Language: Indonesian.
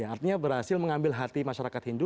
artinya berhasil mengambil hati masyarakat hindu